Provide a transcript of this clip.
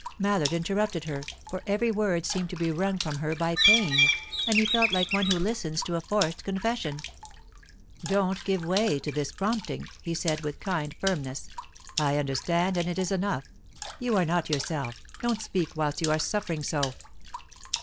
Mallard interrupted her, for every word seemed to be wrung from her by pain, and he felt like one who listens to a forced confession. "Don't give way to this prompting," he said, with kind firmness. "I understand, and it is enough. You are not yourself; don't speak whilst you are suffering so."